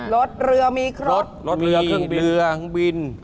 รถเรือมีครบ